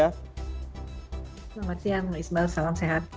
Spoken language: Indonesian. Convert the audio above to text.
selamat siang ismail salam sehat